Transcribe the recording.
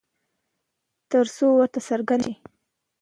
ترڅو ورته څرگنده شي